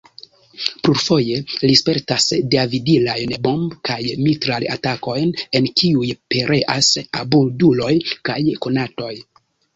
Plurfoje li spertas deaviadilajn bomb- kaj mitral-atakojn, en kiuj pereas apuduloj kaj konatoj.